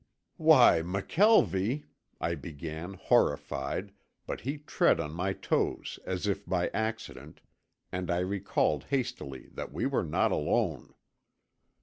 "Why, McKelvie," I began, horrified, but he tread on my toe as if by accident, and I recalled hastily that we were not alone.